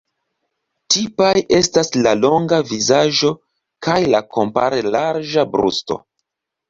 Tipaj estas la longa vizaĝo kaj la kompare larĝa brusto.